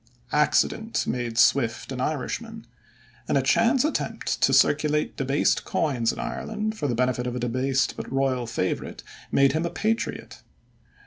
Accident made Swift an Irishman, and a chance attempt to circulate debased coins in Ireland for the benefit of a debased but royal favorite made him a patriot.